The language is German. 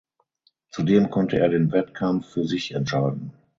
Zudem konnte er den Wettkampf für sich entscheiden.